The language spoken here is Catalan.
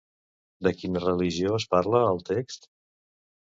De quina religió es parla al text?